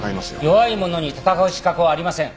弱いものに戦う資格はありません。